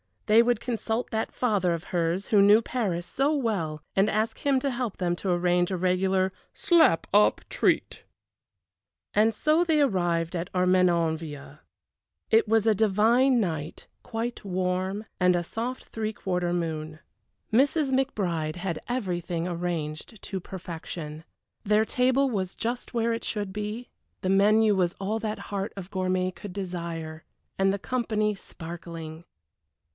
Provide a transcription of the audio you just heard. They would consult that father of hers, who knew Paris so well, and ask him to help them to arrange a regular "slap up treat." And so they arrived at Armenonville. It was a divine night, quite warm, and a soft three quarter moon. Mrs. McBride had everything arranged to perfection. Their table was just where it should be, the menu was all that heart of gourmet could desire, and the company sparkling.